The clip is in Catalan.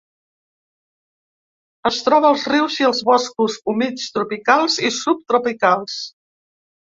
Es troba als rius i als boscos humits tropicals i subtropicals.